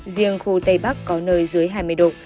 riêng khu tây bắc có nơi dưới hai mươi độ